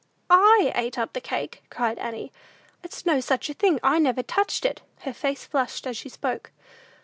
"I ate up the cake!" cried Annie; "It's no such a thing; I never touched it!" Her face flushed as she spoke.